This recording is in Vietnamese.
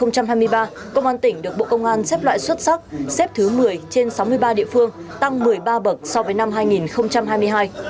năm hai nghìn hai mươi ba công an tỉnh được bộ công an xếp loại xuất sắc xếp thứ một mươi trên sáu mươi ba địa phương tăng một mươi ba bậc so với năm hai nghìn hai mươi hai